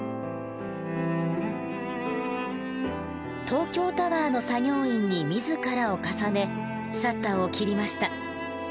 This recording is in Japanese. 東京タワーの作業員に自らを重ねシャッターを切りました。